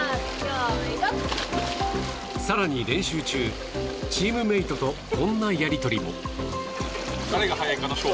更に練習中、チームメートとこんなやり取りも。